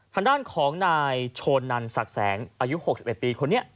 ทางด้านของนายโชนนันศักดิ์แสงอายุ๖๑ปีคนนี้